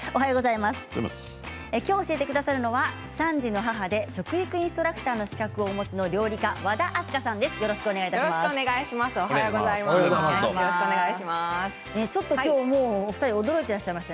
きょう教えてくださるのは３児の母で食育インストラクターの資格をお持ちのおはようございます。